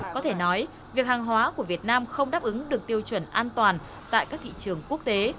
có thể nói việc hàng hóa của việt nam không đáp ứng được tiêu chuẩn an toàn tại các thị trường quốc tế